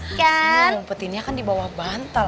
ini rumpetinnya kan dibawah bantal